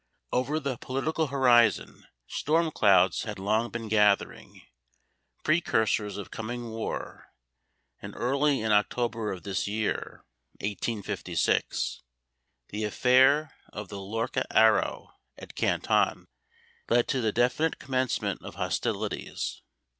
Over the political horizon storm clouds had long been gathering, precursors of coming war; and early in October of this year (1856) the affair of the Lorcha Arrow at Canton led to the definite commencement of hostilities.